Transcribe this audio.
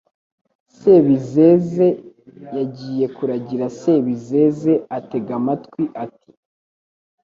Sebizeze yagiye kuragira Sebizeze atega amatwi ati